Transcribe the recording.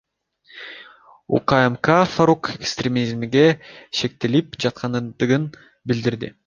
УКМК Фарук экстремизмге шектелип жаткандыгын билдирди.